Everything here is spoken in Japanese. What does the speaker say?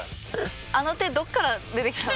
あの手どこから出てきたの？